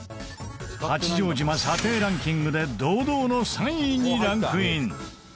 八丈島査定ランキングで堂々の３位にランクイン！